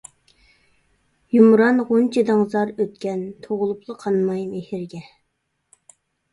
يۇمران غۇنچە ئىدىڭ زار ئۆتكەن، تۇغۇلۇپلا قانماي مېھىرگە.